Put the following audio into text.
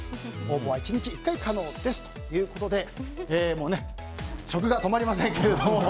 応募は１日１回可能ですということで食が止まりませんけども。